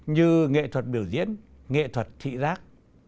như nghệ thuật biểu diễn nghệ thuật thị giác